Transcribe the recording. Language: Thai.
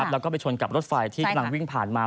แล้วก็ไปชนกับรถไฟที่กำลังวิ่งผ่านมา